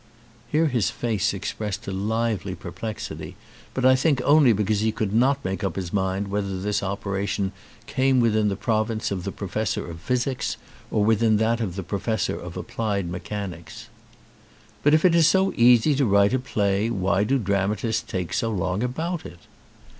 Here his face expressed a lively perplexity, but I think only because he could not make up his mind whether this operation came within the province of the professor of physics or within that of the professor of applied mechanics. "But if it is so easy to write a play why do dramatists take so long about it?"